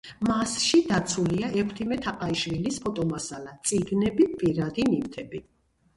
მასში დაცულია ექვთიმე თაყაიშვილის ფოტომასალა, წიგნები, პირადი ნივთები.